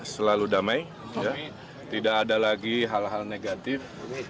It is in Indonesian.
selalu damai tidak ada lagi hal hal negatif